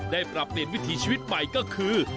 ปรับเปลี่ยนวิถีชีวิตใหม่ก็คือ